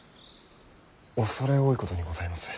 恐れ多いことにございます。